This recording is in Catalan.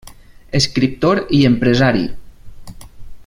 Escriptor i empresari.